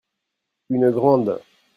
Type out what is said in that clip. Une grande.